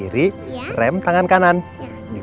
rem tangan kiri